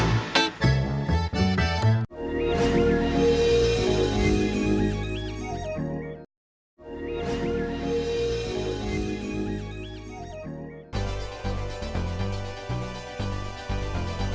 kita bikinnya banyak juga